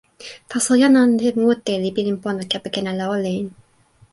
taso jan ante mute li pilin pona kepeken ala olin.